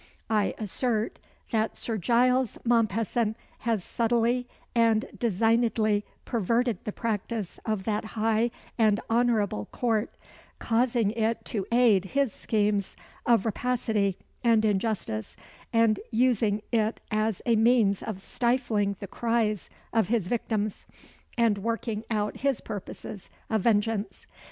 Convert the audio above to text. I assert that Sir Giles Mompesson has subtly and designedly perverted the practice of that high and honourable Court, causing it to aid his schemes of rapacity and injustice, and using it as a means of stifling the cries of his victims, and working out his purposes of vengeance.